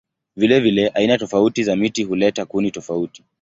Vilevile aina tofauti za miti huleta kuni tofauti.